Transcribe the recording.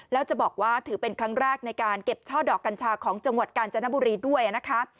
แล้วจะบอกว่าถือเป็นครั้งแรกในการเก็บช่อดอกกัญชาของจังหวัดกาญจนบุรีด้วยนะคะ